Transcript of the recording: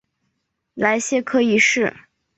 莱谢克一世。